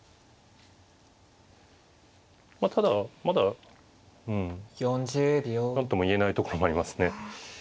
まあただまだうん何とも言えないところもありますね。